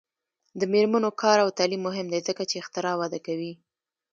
د میرمنو کار او تعلیم مهم دی ځکه چې اختراع وده کوي.